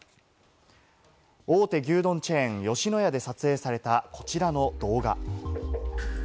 大手牛丼チェーン・吉野家で撮影された、こちらの動画。